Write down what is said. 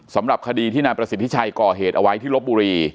สำหรับคดีที่นายประสิทธิชัยก่อเหตุเอาไว้ที่ลบบุรี